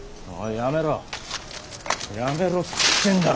やめろっつってんだろ！